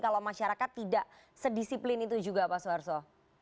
kalau masyarakat tidak sedisiplin itu juga pak suharto